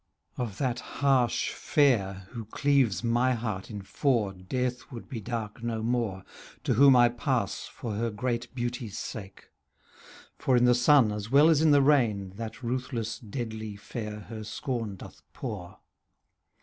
Of that harsh Fair who cleaves my heart in four " Death would be dark no more. To whom I pass for her great beauty's sake. For in the sun as well as in the rain That ruthless deadly fair her scorn doth pour.